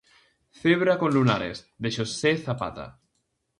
"Cebra con lunares ", de Xosé Zapata.